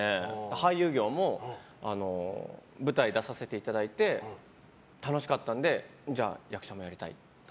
俳優業も舞台出させていただいて楽しかったのでじゃあ、役者もやりたいなと。